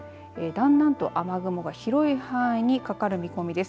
だんだんと雨雲が広い範囲でかかる見込みです。